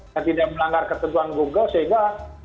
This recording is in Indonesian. dan tidak melanggar ketentuan google sehingga